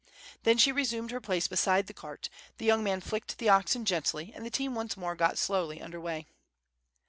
Then she resumed her place beside the cart, the young man flicked the oxen gently, and the team once more got slowly under way.